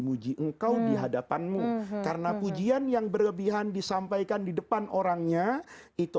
muji engkau di hadapanmu karena pujian yang berlebihan disampaikan di depan orangnya itu